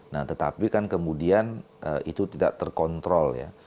nah tetapi kan kemudian itu tidak terkontrol ya